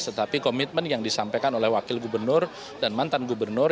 tetapi komitmen yang disampaikan oleh wakil gubernur dan mantan gubernur